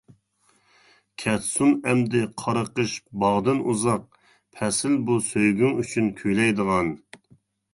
كەتسۇن ئەمدى قارا قىش باغدىن ئۇزاق، پەسىل بۇ سۆيگۈڭ ئۈچۈن كۈيلەيدىغان!